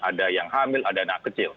ada yang hamil ada anak kecil